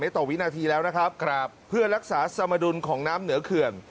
ต่อวินาทีแล้วนะครับเพื่อรักษาสมดุลของน้ำเหนือเขื่อน